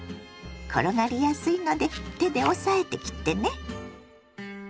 転がりやすいので手で押さえて切ってね。